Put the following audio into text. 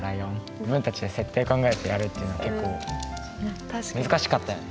自分たちが設定考えてやるっていうの結構難しかったよね。